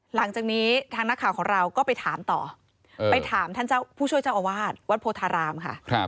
หลังจากนี้ทางนักข่าวของเราก็ไปถามต่อไปถามท่านเจ้าผู้ช่วยเจ้าอาวาสวัดโพธารามค่ะ